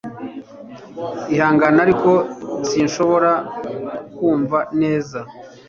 Ihangane ariko sinshobora kukumva neza